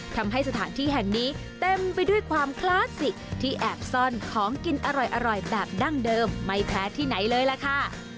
ทำให้สถานที่แห่งนี้เต็มไปด้วยความคลาสสิกที่แอบซ่อนของกินอร่อยแบบดั้งเดิมไม่แพ้ที่ไหนเลยล่ะค่ะ